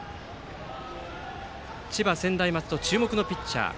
千葉・専大松戸注目のピッチャー。